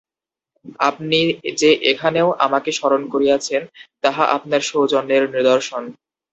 আপনি যে এখানেও আমাকে স্মরণ করিয়াছেন, তাহা আপনার সৌজন্যের নিদর্শন।